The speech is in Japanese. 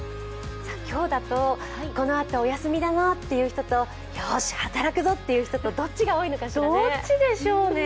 今日だと、このあとお休みだなっていう人とようし、働くぞとって人とどっちが多いのかしらね？